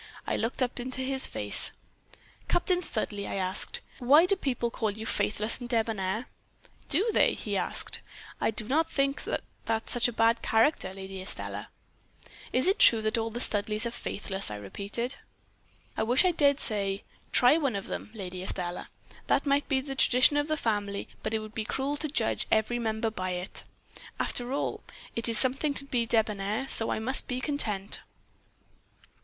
I looked up into his face. "'Captain Studleigh,' I asked, 'why do people call you faithless and debonair?' "'Do they?' he asked. 'I do not think that such a bad character, Lady Estelle.' "'Is it true that all the Studleighs are faithless?' I repeated. "'I wish I dared say, try one of them, Lady Estelle. That may be the tradition of the family, but it would be cruel to judge every member by it. After all, it is something to be debonair, so I must be content.'